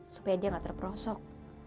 supaya dia gak terprosok